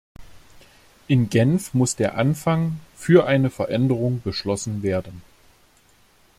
In Genf muss der Anfang für eine Veränderung beschlossen werden.